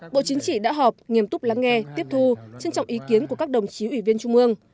bộ chính trị đã họp nghiêm túc lắng nghe tiếp thu trân trọng ý kiến của các đồng chí ủy viên trung ương